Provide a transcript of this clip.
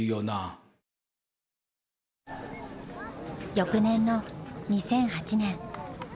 翌年の２００８年。